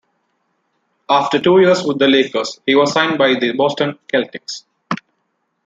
After two years with the Lakers, he was signed by the Boston Celtics.